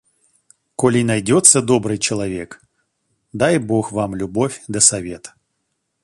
Коли найдется добрый человек, дай бог вам любовь да совет.